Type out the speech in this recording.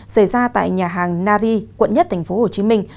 xảy ra tại nhà hàng nari quận một tp hồ chí minh